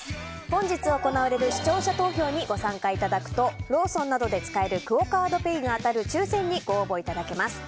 本日行われる視聴者投票にご参加いただくとローソンなどで使えるクオ・カードペイが当たる抽選にご応募いただけます。